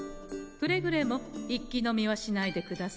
くれぐれも一気飲みはしないでくださんせ。